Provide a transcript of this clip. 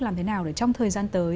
làm thế nào để trong thời gian tới